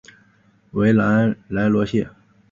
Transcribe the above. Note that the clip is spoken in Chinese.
维兰莱罗谢。